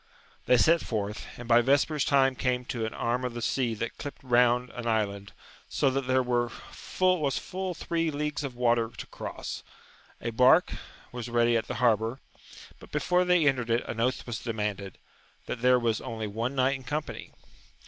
They set forth, and by vespers time came to an arm of the sea that clipped round an island, so that there was full three leagues of water to cross ; a bark was ready at the harbour, but before they entered it an oath was demanded, that there was only one knight in company.